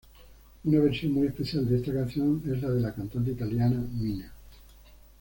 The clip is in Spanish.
Una versión muy especial de esta canción es la de la cantante italiana Mina.